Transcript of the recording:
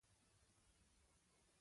د ده یو بل کره کتنیز کتاب هم چاپېږي.